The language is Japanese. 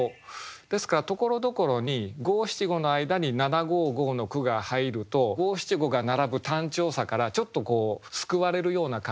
ですからところどころに五七五の間に七五五の句が入ると五七五が並ぶ単調さからちょっと救われるような感じがして